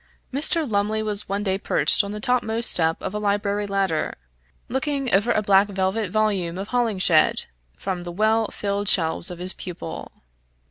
Mr. Lumley was one day perched on the topmost step of a library ladder, looking over a black letter volume of Hollinshed, from the well filled shelves of his pupil.